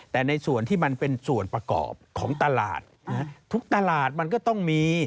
แต่ในส่วนที่มันเป็นส่วนประกอบของตลาดทุกตลาดมันก็ต้องมี